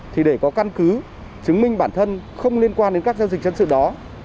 thì để có căn cứ chứng minh bản thân không liên quan đến các giao dịch dân sự đó